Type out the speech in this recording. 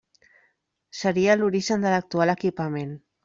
Seria l'origen de l'actual equipament.